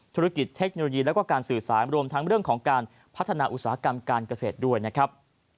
เทคโนโลยีแล้วก็การสื่อสารรวมทั้งเรื่องของการพัฒนาอุตสาหกรรมการเกษตรด้วยนะครับ